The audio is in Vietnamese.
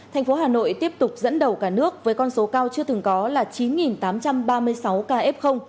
thành phố hà nội tiếp tục dẫn đầu cả nước với con số cao chưa từng có là chín tám trăm ba mươi sáu ca f